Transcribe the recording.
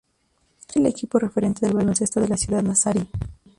Es el equipo referente del baloncesto de la ciudad nazarí.